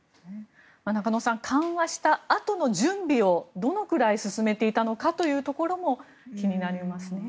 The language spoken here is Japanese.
中野さん、緩和したあとの準備をどのくらい進めていたのかも気になりますね。